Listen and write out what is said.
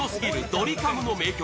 ドリカムの名曲